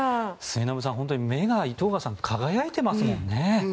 末延さん、本当に井藤賀さん目が輝いてますもんね。